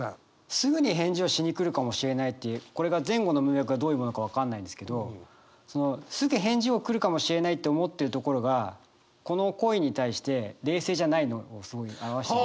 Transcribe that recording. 「すぐに返事をしにくるかもしれない」っていうこれが前後の文脈がどういうものか分かんないんですけどすぐ返事を来るかもしれないって思ってるところがこの恋に対して冷静じゃないのをすごい表してる。